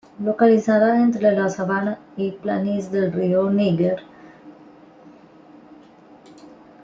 Localizada entre la sabana y la planicie del río Níger.